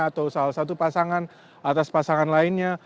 atau salah satu pasangan atas pasangan lainnya